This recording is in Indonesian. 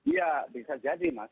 ya bisa jadi mas